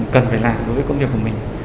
cần phải làm với công việc của mình